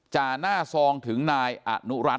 จะน่าทรองถึงนายอาหนุรัฐ